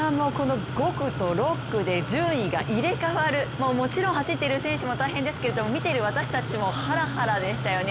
５区と６区で順位が入れ替わる、もちろん走っている選手も大変ですけれども、見ている私たちもハラハラでしたよね。